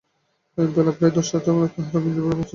বেলা প্রায় দশটার সময় তাহারা বিন্দুর বাড়ি পৌছিল।